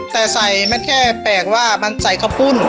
แต่ใส่มันแค่แปลกว่ามันใส่ข้าวปุ้น